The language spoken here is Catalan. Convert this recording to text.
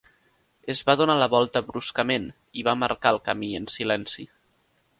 Es va donar la volta bruscament, i va marcar el camí en silenci.